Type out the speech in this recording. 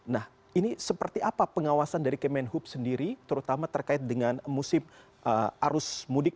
nah ini seperti apa pengawasan dari kemenhub sendiri terutama terkait dengan musim arus mudik